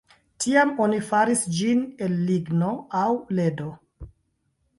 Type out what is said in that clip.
Tiam oni faris ĝin el ligno aŭ ledo.